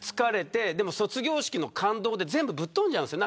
でも卒業式の感動で全部ぶっ飛んじゃうんです。